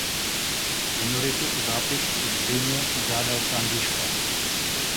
Minority o zápis zřejmě požádal sám Žižka.